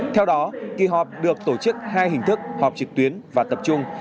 theo đó kỳ họp được tổ chức hai hình thức họp trực tuyến và tập trung